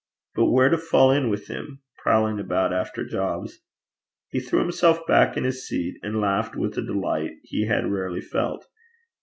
But where to fall in with him prowling about after jobs?' He threw himself back in his seat, and laughed with a delight he had rarely felt.